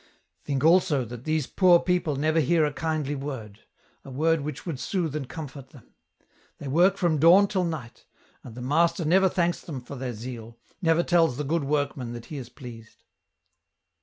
" Think, also, that these poor people never hear a kindly word, a word which would soothe and comfort them. They work from dawn till night, and the master never thanks them for their zeal, never tells the good workman that he is pleased.